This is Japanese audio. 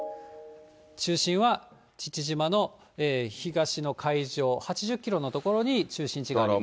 中心は父島の東の海上８０キロの所に中心地があります。